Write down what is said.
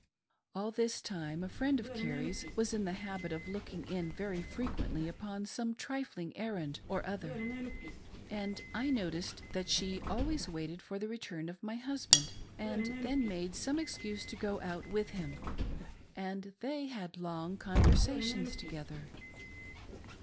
All this time, a friend of Carrie's was in the habit of look ing in very frequently upon some trifling errand or other, and I noticed that she'&lways waited for the return of my husband, and then made some excuse to go out with him, and they had long conversations together.